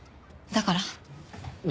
だから？